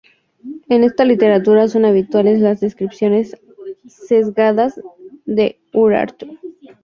En esta literatura son habituales las descripciones sesgadas de Urartu.